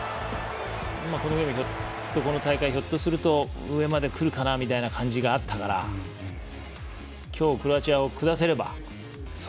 この大会、ひょっとすると上までくるかなみたいな感じがあったから今日クロアチアを下せれば。